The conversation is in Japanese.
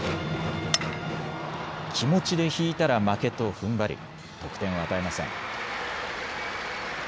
気持ちで引いたら負けとふんばり得点を与えません。